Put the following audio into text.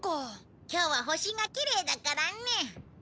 今日は星がきれいだからね。